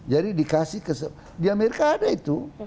jadi dikasih di amerika ada itu